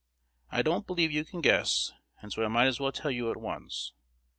I don't believe you can guess, and so I might as well tell you at once.